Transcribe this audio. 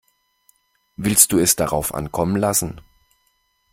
Willst du es drauf ankommen lassen?